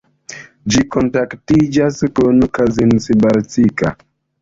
Ĝi kontaktiĝas kun Kazincbarcika.